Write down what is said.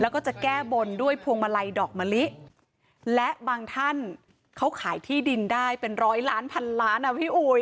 แล้วก็จะแก้บนด้วยพวงมาลัยดอกมะลิและบางท่านเขาขายที่ดินได้เป็นร้อยล้านพันล้านอ่ะพี่อุ๋ย